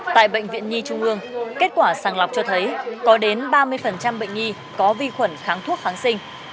tại bệnh viện nhi trung ương kết quả sàng lọc cho thấy có đến ba mươi bệnh nhi có vi khuẩn kháng thuốc kháng sinh